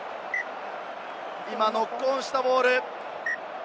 ノックオンしたボール。